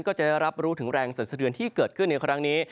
ก็จะได้รับรู้ถึงแรงสันสะเทือนที่เกิดขึ้นในครั้งนี้